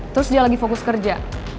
terus dia lagi fokus kerja